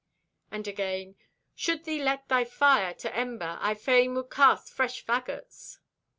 And again: "Should thee let thy fire to ember I fain would cast fresh faggots."